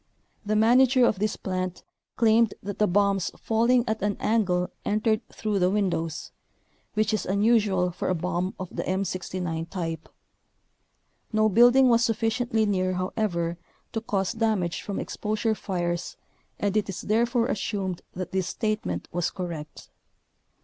The manager of this plant claimed that the bombs falling at an angle entered through the windows, which is unusual for a bomb of the M69 type. No building was sufficiently near, however, to cause damage from exposure fires and it is therefore assumed that this statement was correct.